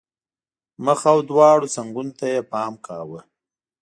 مخ او دواړو څنګونو ته یې پام کاوه.